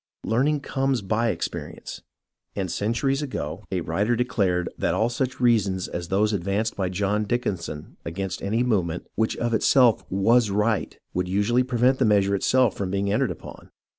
Learning comes by experience, and centuries ago a writer declared that all such reasons as those advanced by John Dickinson against any movement which of itself zvas right, would usually prevent the meas ure itself from being entered upon.